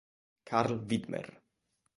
Carl Widmer